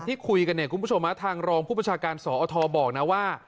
ที่คุยกันเนี่ยคุณผู้ชมทางรองผู้ประชาการสอทบอกนะว่า